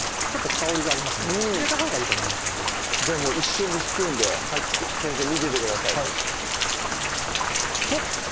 ちょっと香りがありますので入れたほうがいいと思いますのでじゃあ一瞬ですくうんで先生見ててくださいねほっ！